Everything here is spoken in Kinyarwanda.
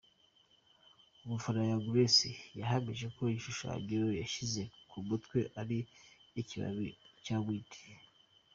Umufana wa Young Grace yahamije ko igishushanyo yashyize ku mutwe ari ikibabi cya Weed.